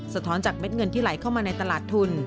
สะท้อนจากเม็ดเงินที่ไหลเข้ามาในตลาดทุน